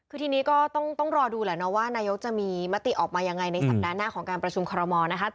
คือทีนี้ก็ต้องรอดูแหละนะว่านายกจะมีมติออกมายังไงในสัปดาห์หน้าของการประชุมคอรมอลนะคะ